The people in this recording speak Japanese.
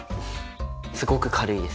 すごく軽いです。